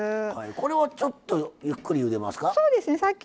これはちょっとゆっくりゆでますか？